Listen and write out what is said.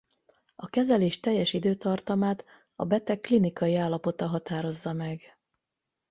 A kezelés teljes időtartamát a beteg klinikai állapota határozza meg.